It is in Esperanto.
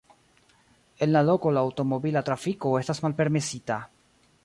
En la loko la aŭtomobila trafiko estas malpermesita.